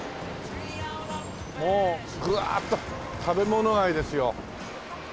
もうグワーッと食べ物街ですよ。